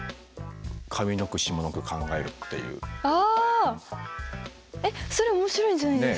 えっそれ面白いんじゃないですか？